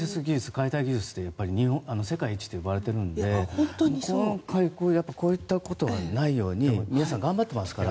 解体技術って世界一と言われているのでこういったことはないように皆さん現場は頑張ってますから。